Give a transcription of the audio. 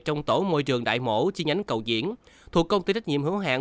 trong tổ môi trường đại mổ trên nhánh cầu diễn thuộc công ty trách nhiệm hướng hẹn